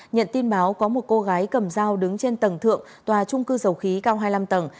nhận tin báo có một cô gái cầm dao đứng trên tầng thượng tòa trung cư dầu khí cao hai mươi năm tầng